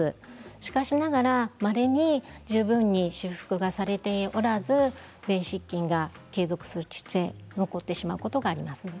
しかしごくまれに十分に修復がされておらず便失禁が継続しやすい状態が残ってしまうこともあります。